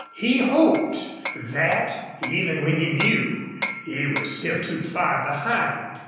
He hoped for that even when he knew he was still too far behind.